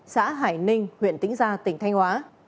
xã hải ninh huyện tĩnh gia tỉnh thanh hóa